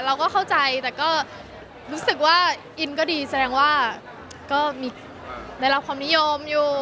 เราก็เข้าใจแต่ก็รู้สึกว่าอินก็ดีแสดงว่าก็มีได้รับความนิยมอยู่